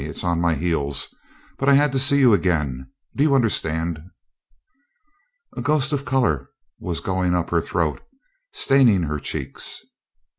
It's on my heels, but I had to see you again. Do you understand?" A ghost of color was going up her throat, staining her cheeks.